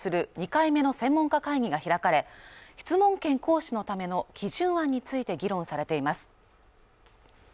２回目の専門家会議が開かれ質問権行使のための基準案について議論されています